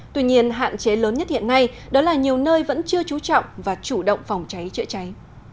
tuy nhiên hạn chế lớn nhất hiện nay đó là nhiều nơi vẫn chưa trú trọng và chủ động phòng cháy chữa cháy